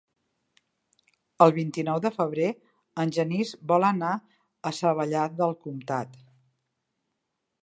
El vint-i-nou de febrer en Genís vol anar a Savallà del Comtat.